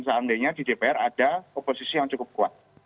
seandainya di dpr ada oposisi yang cukup kuat